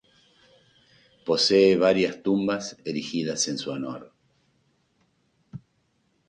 Posee varias tumbas erigidas en su honor.